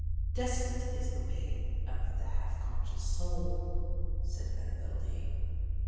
"Desolate is the way of the half conscious soul," said Annabel Lee.